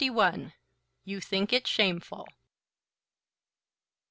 "YOU THINK IT SHAMEFUL."